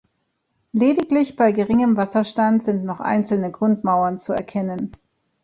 Lediglich bei geringem Wasserstand sind noch einzelne Grundmauern zu erkennen.